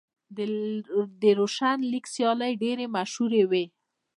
د روشن لیګ سیالۍ ډېرې مشهورې وې.